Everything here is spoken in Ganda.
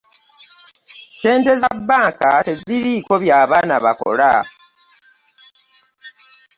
Ssente za Banka teziriiko bya baana bakola.